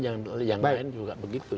yang lain juga begitu